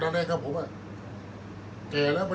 อันไหนที่มันไม่จริงแล้วอาจารย์อยากพูด